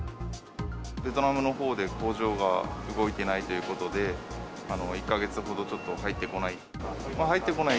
ベトナムのほうで工場が動いていないということで、１か月ほどちょっと入ってこない。